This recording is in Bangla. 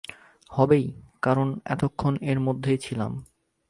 হবেই, কারন এতক্ষণ এর মধ্যেই ছিলাম।